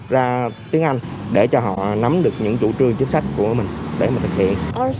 ra tiếng anh để cho họ nắm được những chủ trương chính sách của mình để mà thực hiện